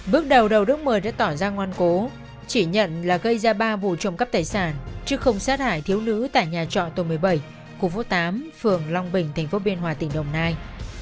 bước đầu đầu nước một mươi đã tỏ ra ngoan cố chỉ nhận là gây ra ba vụ trồng cắp tài sản chứ không sát hại thiếu nữ tại nhà trọ tù một mươi bảy khu phố tám phường long bình tp biên hòa tỉnh đồng nai